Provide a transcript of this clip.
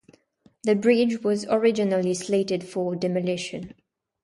The bridge was originally slated for demolition.